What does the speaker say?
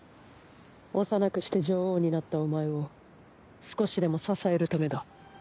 幼くして女王になったお前を少しでも支えるためだ。